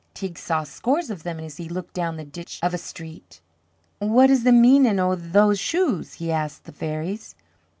Teig saw scores of them as he looked down the ditch of a street. "What is the meanin' o' those shoes? " he asked the fairies.